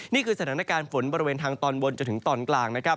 นี่คือสถานการณ์ฝนบริเวณทางตอนบนจนถึงตอนกลางนะครับ